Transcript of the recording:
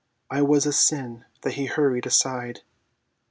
"I was a sin that he hurried aside